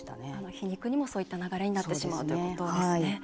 皮肉にもそういった流れになってしまうということですね。